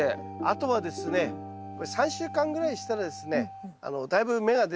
あとはですねこれ３週間ぐらいしたらですねだいぶ芽が出てきますので。